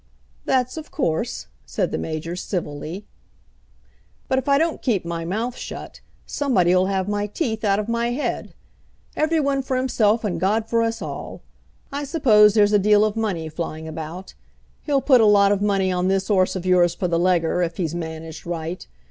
"That's of course," said the Major civilly. "But if I don't keep my mouth shut, somebody 'll have my teeth out of my head. Every one for himself and God for us all. I suppose there's a deal of money flying about. He'll put a lot of money on this 'orse of yours for the Leger if he's managed right.